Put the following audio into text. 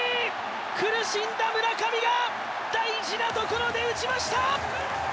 苦しんだ村上が大事なところで打ちました。